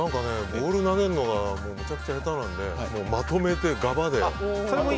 ボールを投げるのがめちゃくちゃ下手なのでまとめてガバッで。